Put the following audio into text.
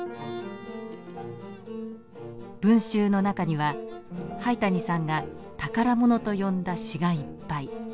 文集の中には灰谷さんが「宝物」と呼んだ詩がいっぱい。